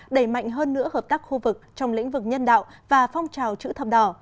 đẩy mạnh hơn nữa hợp tác khu vực trong lĩnh vực nhân đạo và phong trào chữ thập đỏ